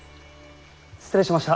失礼しました。